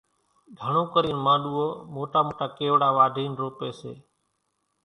گھڻون ڪرينَ مانڏوئو موٽا موٽا ڪيوڙا واڍينَ روپيَ سي۔